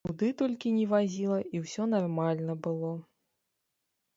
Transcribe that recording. Куды толькі не вазіла, і ўсё нармальна было.